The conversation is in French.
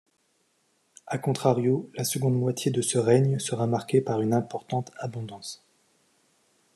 A contrario, la seconde moitié de ce règne sera marquée par une importante abondance.